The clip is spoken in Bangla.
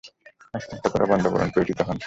হাসি ঠাট্টা করা বন্ধ করুন, পরিচিত হন।